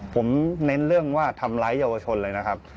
ผมเน้นเรื่องว่าทำร้ายเยาวชนเลยนะครับ